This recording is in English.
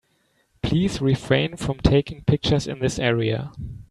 Please refrain from taking pictures in this area.